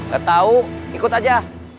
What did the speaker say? gak tau ikut aja